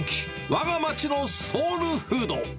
わが町のソウルフード。